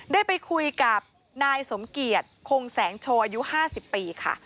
ได้ไปคุยกับนายสมเกียจคงแสงโชว์อายุ๕๐ปีค่ะ